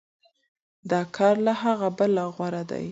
دا کار له هغه بل غوره دی.